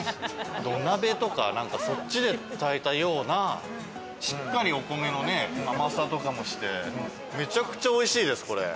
土鍋とか、そっちで炊いたような、しっかりお米の甘さとかもして、めちゃくちゃおいしいです、これ。